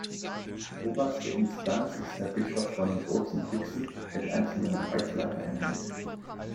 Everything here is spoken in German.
Oberste Instanz ist der Bischof von Bozen-Brixen, der die einzelnen Bereichsleiter ernennt.